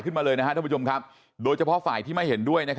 ขึ้นมาเลยนะครับโดยเฉพาะฝ่ายที่ไม่เห็นด้วย